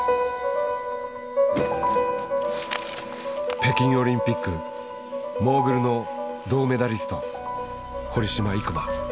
北京オリンピックモーグルの銅メダリスト